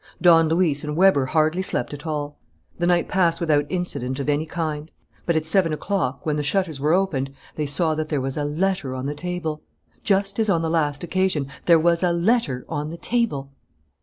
Don Luis and Weber hardly slept at all. The night passed without incident of any kind. But, at seven o'clock, when the shutters were opened, they saw that there was a letter on the table. Just as on the last occasion, there was a letter on the table!